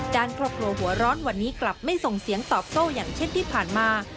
ด้านครอบครัวหัวร้อนวันนี้กลับไม่ส่งเสียงตอบโต้อย่างเช่นที่ผ่านมา